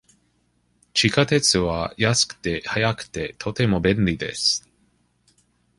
地下鉄は安くて、早くて、とても便利です。